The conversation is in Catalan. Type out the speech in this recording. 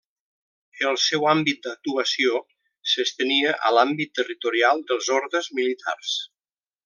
El seu àmbit d'actuació s'estenia a l'àmbit territorial dels ordes militars.